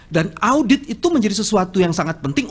dan audit itu menjadi sesuatu yang sangat penting